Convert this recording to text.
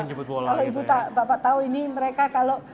kalau ibu bapak tahu ini mereka kalau